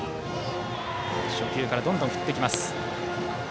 初球からどんどん振ってきます。